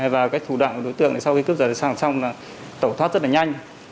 và cái thủ đoạn của đối tượng sau khi cướp rật tài sản xong là tẩu thoát rất là nhanh